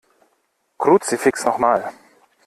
Kruzifix noch mal!